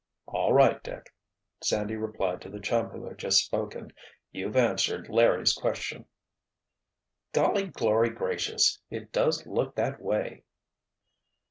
"All right, Dick," Sandy replied to the chum who had just spoken. "You've answered Larry's question." "Golly glory gracious! It does look that way!"